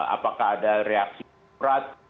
apakah ada reaksi berat